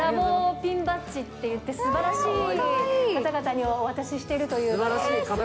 ピンバッジっていって、すばらしい方々にお渡ししているという。